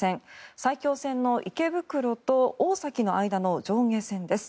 埼京線の池袋と大崎の間の上下線です。